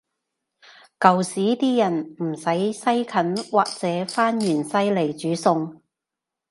舊時啲人唔使西芹或者番芫茜來煮餸